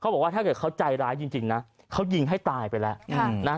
ไปฟังเสียงเขาหน่อยครับ